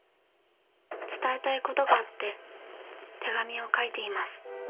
伝えたいことがあって手紙を書いています。